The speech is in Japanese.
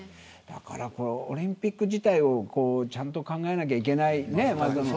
だから、オリンピック自体をちゃんと考えなきゃいけない。